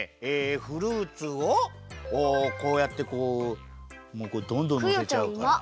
フルーツをこうやってこうどんどんのせちゃうから。